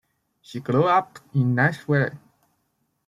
She grew up in Nashville.